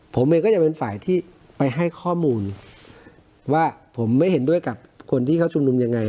ผมเองก็จะเป็นฝ่ายที่ไปให้ข้อมูลว่าผมไม่เห็นด้วยกับคนที่เขาชุมนุมยังไง